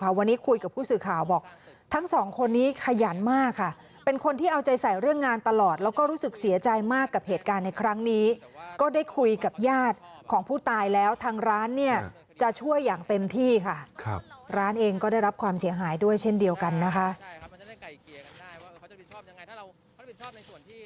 ขอแสดงความเสียจริงขอแสดงความเสียจริงขอแสดงความเสียจริงขอแสดงความเสียจริงขอแสดงความเสียจริงขอแสดงความเสียจริงขอแสดงความเสียจริงขอแสดงความเสียจริงขอแสดงความเสียจริงขอแสดงความเสียจริงขอแสดงความเสียจริงขอแสดงความเสียจริงขอแสดงความเสียจริง